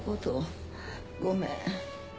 ごめん。